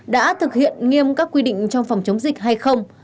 đã thực hiện nghiêm các quy định trong phòng chống dịch hay không